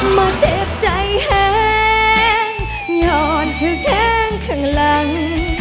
มาเจ็บใจแห้งหย่อนเธอแท้งข้างหลัง